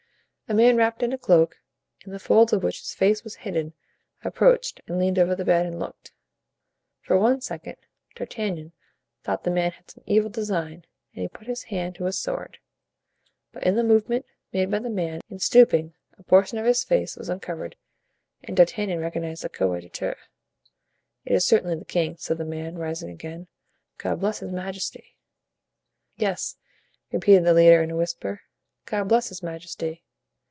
A man wrapped in a cloak, in the folds of which his face was hidden, approached and leaned over the bed and looked. For one second, D'Artagnan thought the man had some evil design and he put his hand to his sword; but in the movement made by the man in stooping a portion of his face was uncovered and D'Artagnan recognized the coadjutor. "It is certainly the king," said the man, rising again. "God bless his majesty!" "Yes," repeated the leader in a whisper, "God bless his majesty!"